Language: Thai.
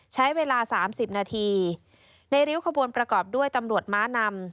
ใช้เวลา๓๐นาทีในริ้วขบวนประกอบด้วยตำรวจม้านำ